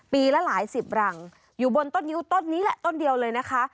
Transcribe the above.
ละหลายสิบรังอยู่บนต้นงิ้วต้นนี้แหละต้นเดียวเลยนะคะ